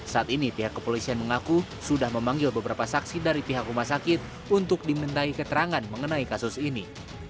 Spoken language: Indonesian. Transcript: saat ini pihak kepolisian mengaku sudah memanggil beberapa saksi dari pihak rumah sakit untuk dimintai keterangan mengenai kasus ini